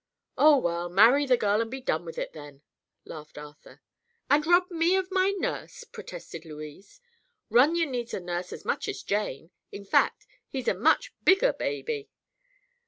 "Oh, well; marry the girl and be done with it, then," laughed Arthur. "And rob me of my nurse?" protested Louise. "Runyon needs a nurse as much as Jane. In fact, he's a much bigger baby."